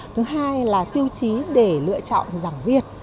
thứ hai là tiêu chí để lựa chọn giảng viên